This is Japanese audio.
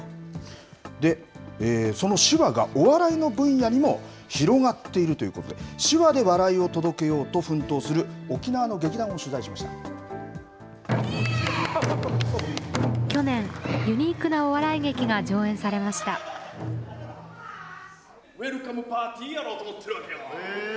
で、その手話がお笑いの分野にも広がっているということで、手話で笑いを届けようと奮闘する、沖去年、ユニークなお笑い劇がウェルカムパーティーやろうへー。